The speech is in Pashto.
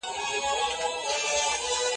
هغه غوښتل چې هر څه ژر پای ته ورسوي.